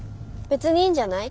別にいいんじゃない。